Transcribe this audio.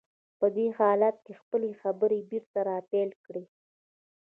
په دې حالت کې يې خپلې خبرې بېرته را پيل کړې.